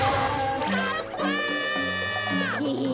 かっぱ！